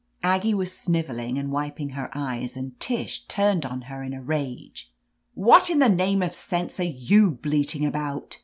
Aggie was sniveling, and wiping her eyes, and Tish turned on her in a rage. ".What in the name of sense are you bleating, about?'